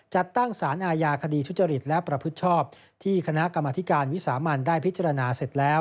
จัดตั้งสารอาญาคดีทุจริตและประพฤติชอบที่คณะกรรมธิการวิสามันได้พิจารณาเสร็จแล้ว